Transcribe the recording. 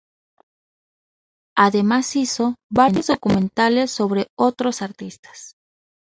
Además hizo varios documentales sobre otros artistas.